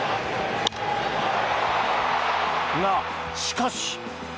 が、しかし。